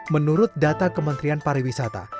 menurut data kementrian pariwisata